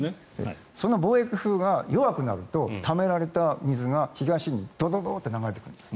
その貿易風が弱くなるとためられた水が東にドドドと流れていくんです。